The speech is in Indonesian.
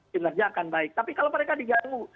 mengerjakan baik tapi kalau mereka diganggu